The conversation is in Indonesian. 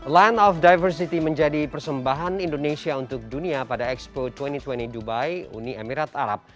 land of diversity menjadi persembahan indonesia untuk dunia pada expo dua ribu dua puluh dubai uni emirat arab